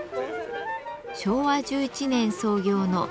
昭和１１年創業の精肉店。